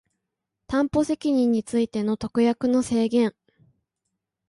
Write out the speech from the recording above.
担保責任についての特約の制限